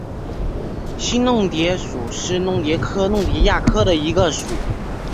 新弄蝶属是弄蝶科弄蝶亚科中的一个属。